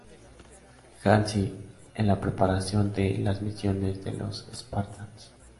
Halsey en la preparación de las misiones de los spartans.